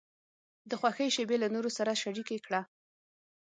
د خوښۍ شیبې له نورو سره شریکې کړه.